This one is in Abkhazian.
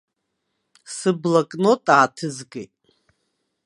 Сыблокнот ааҭызгеит.